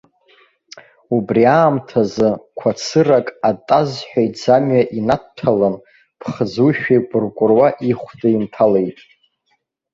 Убри аамҭазы қәацырак атазҳәа иӡамҩа инадҭәалан, ԥхӡушәа икәыркәыруа ихәда инҭалеит.